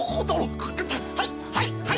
はいはい！